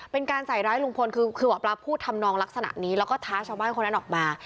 เป็นการใส่ร้ายลุงพลคือหมอปลาพูดทำนองลักษณะนี้แล้วก็ท้าชาวบ้านคนนั้นออกมา